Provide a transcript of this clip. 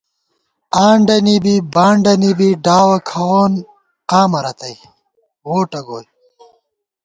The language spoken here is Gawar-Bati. آنڈہ نی بی بانڈَنی بی ڈاوَہ کھاوون قامہ رتئ ووٹہ گوئی